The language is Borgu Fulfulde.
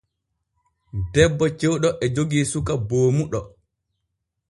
Debbo cewɗo e jogii suka boomuɗo.